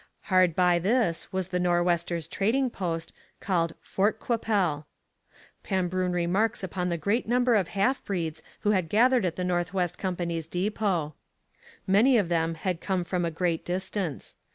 Hard by this was the Nor'westers' trading post, called Fort Qu'Appelle. Pambrun remarks upon the great number of half breeds who had gathered at the North West Company's depot. Many of them had come from a great distance.